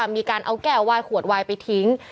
มีการเอาแก้ววายขวดวายไปทิ้ง